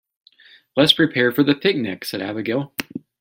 "Let's prepare for the picnic!", said Abigail.